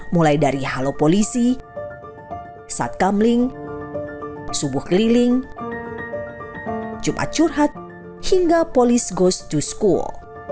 mulai dari halo polisi satkamling subuh keliling jumat curhat hingga polis ghost to school